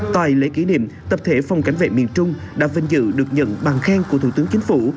tại lễ kỷ niệm tập thể phòng cảnh vệ miền trung đã vinh dự được nhận bằng khen của thủ tướng chính phủ